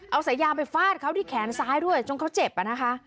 เอาสายยางไปฟาดเขาที่แขนซ้ายด้วยจนเขาเจ็บอ่ะนะคะ